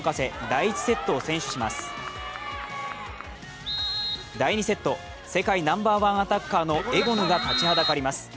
第２セット、世界ナンバーワンアタッカーのエゴヌが立ちはだかります。